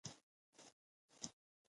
په دې اړه به زرهاوو لنډۍ لیکل شوې وي.